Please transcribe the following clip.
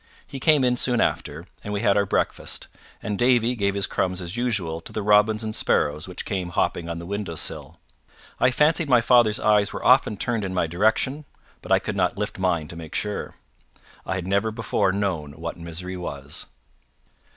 He came in soon after, and we had our breakfast, and Davie gave his crumbs as usual to the robins and sparrows which came hopping on the window sill. I fancied my father's eyes were often turned in my direction, but I could not lift mine to make sure. I had never before known what misery was.